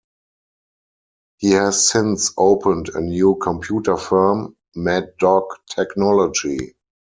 He has since opened a new computer firm, Mad Dog Technology.